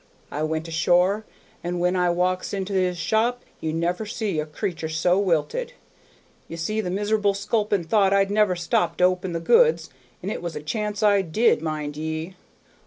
I went ashore, and when I walks into his shop ye never see a creatur' so wilted. Ye see the miser'ble sculpin thought I'd never stop to open the goods, an' it was a chance I did, mind ye!